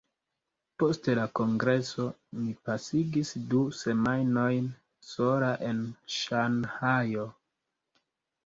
Post la Kongreso, mi pasigis du semajnojn sola en Ŝanhajo.